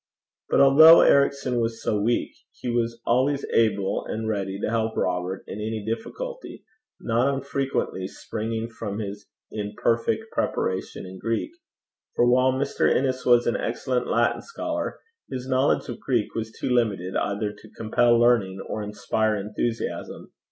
But although Ericson was so weak, he was always able and ready to help Robert in any difficulty not unfrequently springing from his imperfect preparation in Greek; for while Mr. Innes was an excellent Latin scholar, his knowledge of Greek was too limited either to compel learning or inspire enthusiasm.